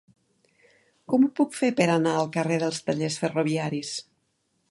Com ho puc fer per anar al carrer dels Tallers Ferroviaris?